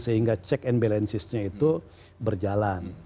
sehingga check and balancesnya itu berjalan